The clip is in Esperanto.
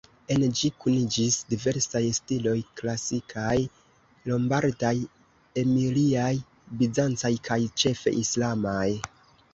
En ĝi kuniĝis diversaj stiloj, klasikaj, lombardaj-emiliaj, bizancaj kaj ĉefe islamaj.